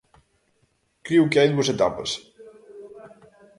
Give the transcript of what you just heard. Creo que hai dúas etapas.